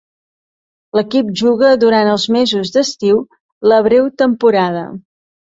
L'equip juga durant els mesos d'estiu la breu temporada.